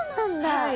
はい。